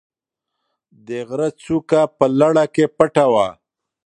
د غره څوکه په لړه کې پټه وه.